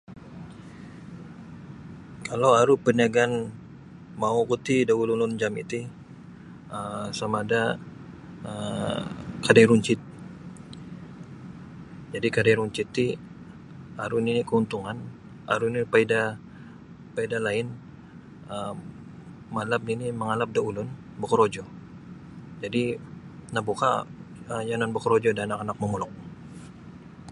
Kalau aru perniagaan mau oku ti da ulu-ulun jami ti um samada um kadai runcit jadi kadai runcit ti aru nini keuntungan aru nini paidah-paidah lain um malap nin mangalap da ulun bokorojo jadi nabuka um yanan bokorojo da anak-anak momulok.